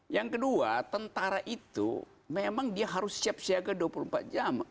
yang kedua tentara itu memang dia harus siap siaga dua puluh empat jam